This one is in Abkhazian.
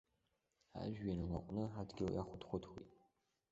Ажәҩан лаҟәны адгьыл иахәыҭхәыҭуеит.